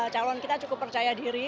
calon kita cukup percaya diri